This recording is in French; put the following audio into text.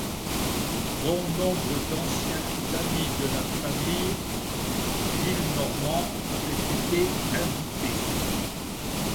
Bon nombre d'anciens amis de la famille Gillenormand avaient été invités.